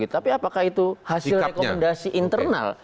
tapi apakah itu hasil rekomendasi internal